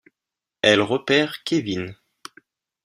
Elle repère Kevin.